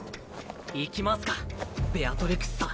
行きますかベアトリクスさん。